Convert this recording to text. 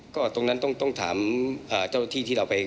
ก็ตรงนั้นต้องถามเจ้าหน้าที่ที่เราไป